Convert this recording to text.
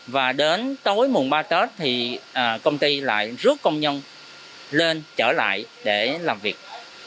và đến tối mùng ba tết thì công ty lại rút công nhân lên trở lại để làm việc